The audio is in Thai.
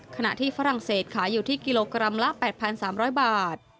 ขณะที่ฝรั่งเศสขายอยู่ที่กิโลกรัมละ๘๓๐๐บาท